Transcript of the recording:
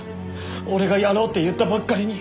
俺が「やろう」って言ったばっかりに。